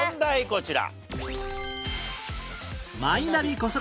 こちら。